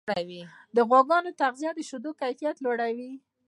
د غواګانو تغذیه د شیدو کیفیت لوړوي.